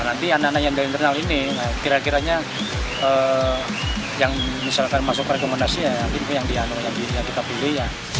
nanti anak anak yang dari internal ini kira kiranya yang misalkan masuk rekomendasi info yang kita pilih ya